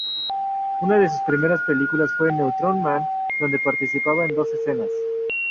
Una de sus primeras películas fue ""Neutrones Man"" donde participaba en dos escenas.